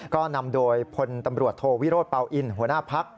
ก็นำโดยพลตำรวจโทวิโรธเปล่าอินหัวหน้าพัก